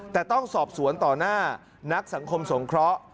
แต่ต้องสอบสวนต่อหน้านักสังคมสงเคราะห์